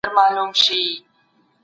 مثبت فکر پرمختګ نه ځنډوي.